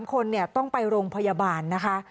๓คนต้องไปโรงพยาบาลนะคะ